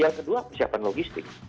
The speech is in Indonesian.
yang kedua persiapan logistik